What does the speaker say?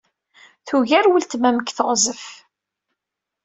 Tugar weltma-m deg teɣzef.